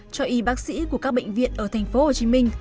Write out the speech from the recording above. cho y bác sĩ của các bệnh viện ở tp hcm